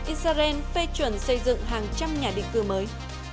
israel phê chuẩn xây dựng hàng trăm nhà định cư mới